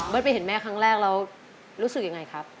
ไปเห็นแม่ครั้งแรกแล้วรู้สึกยังไงครับ